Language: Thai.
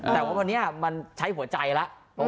แต่ว่าวันนี้มันใช้หัวใจแล้ว